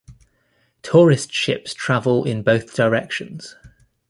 Tourist ships travel in both directions.